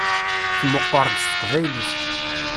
Tmeqqeṛ-d s teqbaylit.